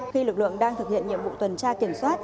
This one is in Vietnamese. khi lực lượng đang thực hiện nhiệm vụ tuần tra kiểm soát